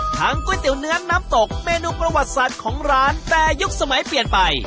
ก๋วยเตี๋ยวเนื้อน้ำตกเมนูประวัติศาสตร์ของร้านแต่ยุคสมัยเปลี่ยนไป